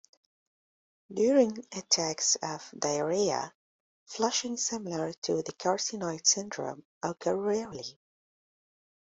During attacks of diarrhea, flushing similar to the carcinoid syndrome occur rarely.